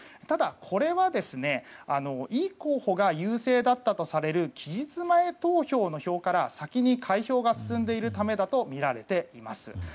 ただ、これはイ候補が優勢だったとされる期日前投票の票から先に開票が進んでいるためだとみられています。